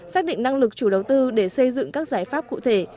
xác định năng lực chủ đầu tư để xây dựng các giải pháp cụ thể